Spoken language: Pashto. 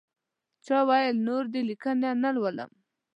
چا ویل نور دې لیکنې نه لولم.